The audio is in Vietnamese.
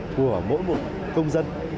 của mỗi một công dân